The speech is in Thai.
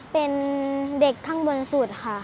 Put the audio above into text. เป็นเด็กข้างบนสุดค่ะ